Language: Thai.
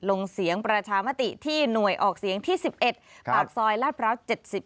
ลงเสียงประชามติที่หน่วยออกเสียงที่๑๑ปากซอยลาดพร้าว๗๑